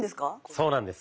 そうなんです。